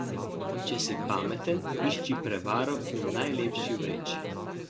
Če si pameten, išči prevaro v najlepši vreči.